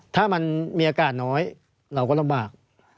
ถ้ามันมีอากาศน้อยเราก็ลำบาก